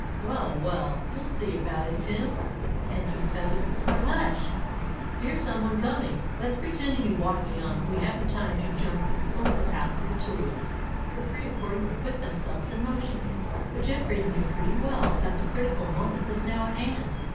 "Well—well, we'll see about it, Tim," answered Pedler. "But—hush! here's some one coming. Let's pretend to be walking on: we haven't time to jump over after the tools." The three accordingly put themselves in motion; but Jeffreys knew pretty well that the critical moment was now at hand.